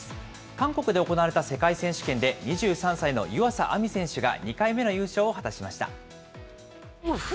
韓国で行われた世界選手権で２３歳の湯浅亜実選手が、２回目の優勝を果たしました。